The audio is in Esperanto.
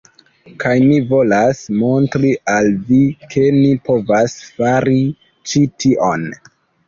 Kaj mi volas montri al vi, ke ni povas fari ĉi tion.